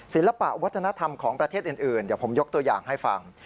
ศิลปะวัฒนธรรมของประเทศอื่นเดี๋ยวผมยกตัวอย่างให้ฟัง